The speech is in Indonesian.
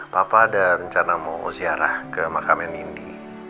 papa ada rencana mau siarah ke makamnya nindi